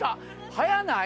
早ない？